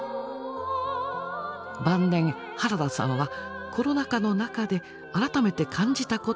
晩年原田さんはコロナ禍の中で改めて感じたことがあります。